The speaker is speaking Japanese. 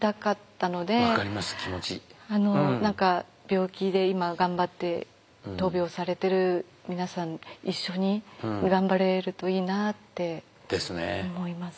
病気で今頑張って闘病されてる皆さん一緒に頑張れるといいなって思います。